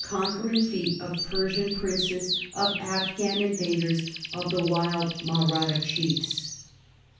zzztii1 conquering feet of Persian princes, of Afghan invaders, of wild Mahratta chiefs.